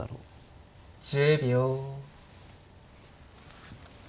１０秒。